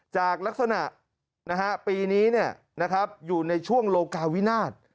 จากลักษณะปีนี้อยู่ในช่วงโลกาวินาศ